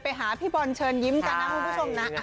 ไปหาพี่บอลเชิญยิ้มกันนะคุณผู้ชมนะ